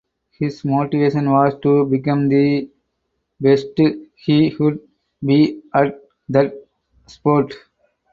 His motivation was to become the best he could be at that sport.